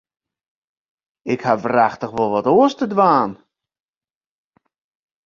Ik haw wrachtich wol wat oars te dwaan.